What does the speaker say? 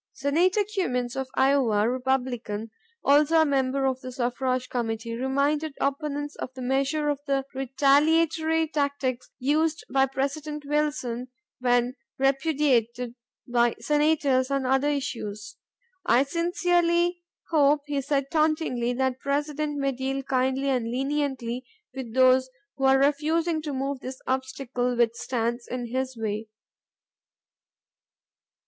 Senator Cummins of Iowa, Republican, also a member of the Suffrage Committee, reminded opponents of the measure of the retaliatory tactics used by President Wilson when repudiated by senators on other issues. "I sincerely hope," he said tauntingly, "that the President may deal kindly and leniently with those who are refusing to remove this obstacle which stands in his way.